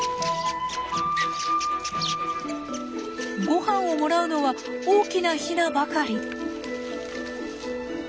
ごはんをもらうのは大きなヒナばかり。